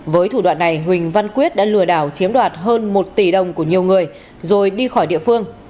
với thủ đoạn này huỳnh văn quyết đã lừa đảo chiếm đoạt hơn một tỷ đồng của nhiều người rồi đi khỏi địa phương